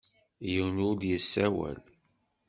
Yiwen ur d-yessawel.